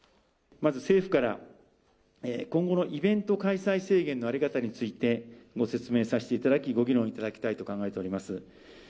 まず政府から今後のイベント開催制限の在り方についてご説明させていただき、ご議論いただきたいと考えております。